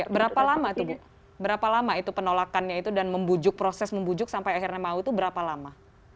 berapa lama tuh bu berapa lama itu penolakannya itu dan membujuk proses membujuk sampai akhirnya mau itu berapa lama